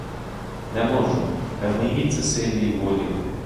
Не можу, не в моїй це силі й волі!